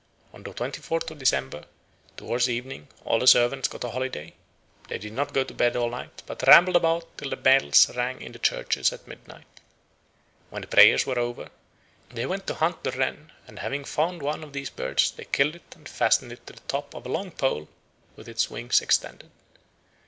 On the twenty fourth of December, towards evening, all the servants got a holiday; they did not go to bed all night, but rambled about till the bells rang in all the churches at midnight. When prayers were over, they went to hunt the wren, and having found one of these birds they killed it and fastened it to the top of a long pole with its wings extended.